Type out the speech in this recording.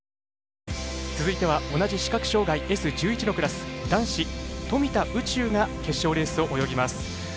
続いては同じ視覚障がいＳ１１のクラス男子、富田宇宙が決勝レースを泳ぎます。